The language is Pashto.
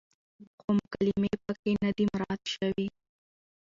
خو مکالمې پکې نه دي مراعت شوې،